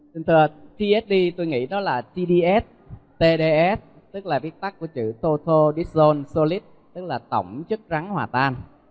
thật tsd tôi nghĩ đó là tds tds tức là viết tắt của chữ total dishon solid tức là tổng chất rắn hòa tan